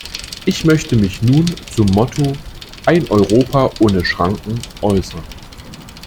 Ich möchte mich nun zum Motto "Ein Europa ohne Schranken" äußern.